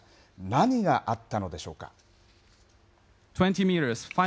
何があったのでしょうか。